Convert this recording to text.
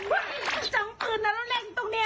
ฟื้นจังมันจะยิงตรงนั้นแล้วแรงตรงนี้